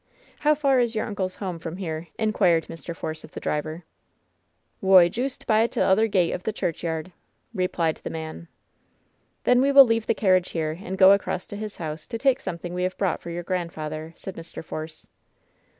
How far is your uncle's home from here ?" inquired Mr. Force of the driver. "Whoy, joost by t'other gate o' the churchyard," re plied the man. "Then we will leave the carriage here and go across to his house, to take something we have brought for your grandfather," said Mr. Force.